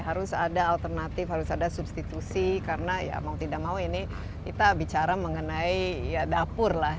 harus ada alternatif harus ada substitusi karena ya mau tidak mau ini kita bicara mengenai ya dapur lah